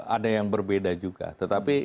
ada yang berbeda juga tetapi